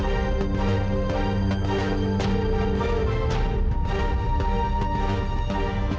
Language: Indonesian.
sampai jumpa lagi